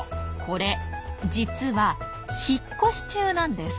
これ実は引っ越し中なんです。